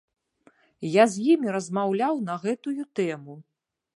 Я з імі размаўляў на гэтую тэму.